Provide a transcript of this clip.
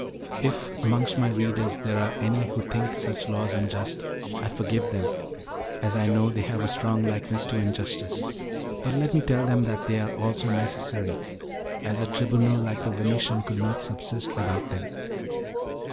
If amongst my readers there are any who think such laws unjust, I forgive them, as I know they have a strong likeness to injustice; but let me tell them that they are also necessary, as a tribunal like the Venetian could not subsist without them.